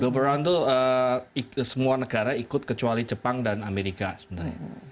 govern itu semua negara ikut kecuali jepang dan amerika sebenarnya